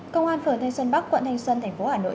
công an phường thanh xuân bắc quận thanh xuân tp hà nội